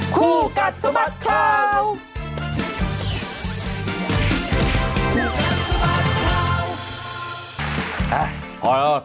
คู่กัดสะบัดข่าว